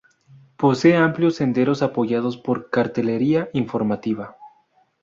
Posee amplios senderos apoyados por cartelería informativa.